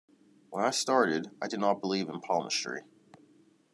When I started I did not believe in palmistry.